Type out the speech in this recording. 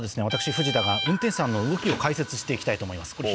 私藤田が運転手さんの動きを解説して行きたいと思います。